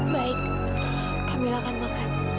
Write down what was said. baik kamila akan makan